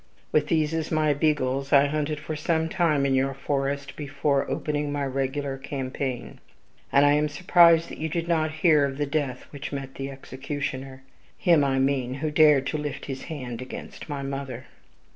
With these as my beagles, I hunted for some time in your forest before opening my regular campaign; and I am surprised that you did not hear of the death which met the executioner him I mean who dared to lift his hand against my mother.